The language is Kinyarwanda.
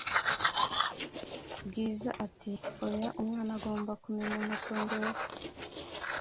Bwiza ati"oya umwana agomba kumenya amatongo Yase "